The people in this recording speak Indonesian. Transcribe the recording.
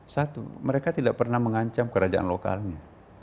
satu mereka tidak pernah mengancam kerajaan lokalnya